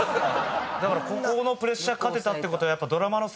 ここのプレッシャー勝てたってことはやっぱ。